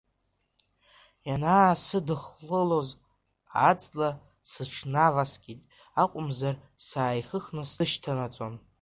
Ианаасыдыххылоз, аҵла сыҽнаваскит акәымзар, сааихыхны слышьҭанаҵон.